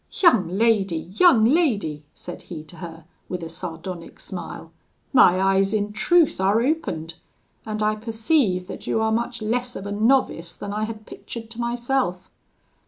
"'Young lady! young lady!' said he to her, with a sardonic smile, 'my eyes in truth are opened, and I perceive that you are much less of a novice than I had pictured to myself.'